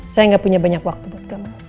saya gak punya banyak waktu buat kamu